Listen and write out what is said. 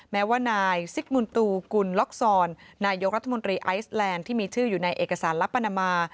แม้ว่านายซิกมุนตูกุลล็อกซอนนายกรัฐมนตรีไอซแลนด์ที่มีชื่ออยู่ในเอกสารลับปานามา